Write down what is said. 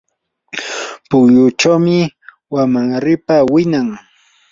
pukyuchawmi wamanripa winan.